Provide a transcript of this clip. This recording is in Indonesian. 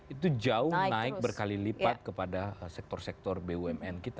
itu jauh naik berkali lipat kepada sektor sektor bumn kita